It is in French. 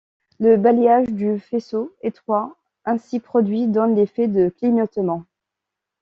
Le balayage du faisceau étroit ainsi produit donne l'effet de clignotement.